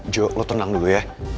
jo lo tenang dulu ya